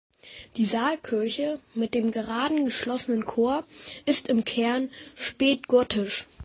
Die Saalkirche mit dem gerade geschlossenen Chor ist im Kern spätgotisch.